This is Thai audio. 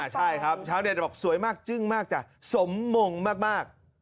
ใช่ครับชาวเน็ตบอกสวยมากจึ้งมากจ้ะสมมงมาก